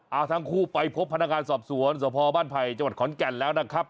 เอาทั้งคู่ไปพบพนักงานสอบสวนสพบ้านไผ่จังหวัดขอนแก่นแล้วนะครับ